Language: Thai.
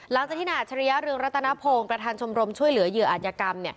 หลังจากที่นายอัจฉริยะเรืองรัตนพงศ์ประธานชมรมช่วยเหลือเหยื่ออาจยกรรม